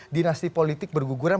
dinasti politik berguguran